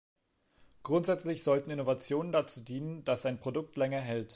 Grundsätzlich sollten Innovationen dazu dienen, dass ein Produkt länger hält.